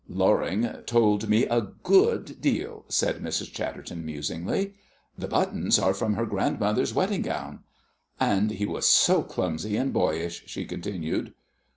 "Loring told me a great deal," said Mrs. Chatterton musingly. "The buttons are from her grandmother's wedding gown." "And he was so clumsy and boyish," she continued.